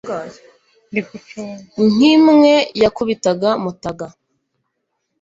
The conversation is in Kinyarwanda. nk'imwe yakubitaga mutaga